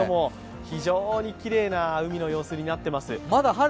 非常にきれいな海の様子になっています。